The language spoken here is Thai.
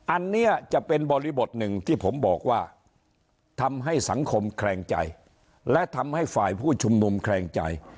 อันนี้จะเป็นบริบทหนึ่งที่ผมบอกว่าทำให้สังคมแคลงใจและทำให้ฝ่ายผู้ชุมนุมแคลงใจ